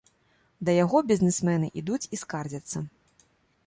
Да яго бізнэсмены ідуць і скардзяцца.